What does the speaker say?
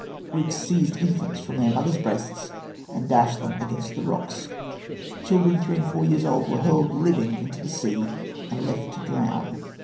Greeks seized infants from their mothers' breasts and dashed them against the rocks. Children, three and four years old, were hurled, living, into the sea, and left to drown.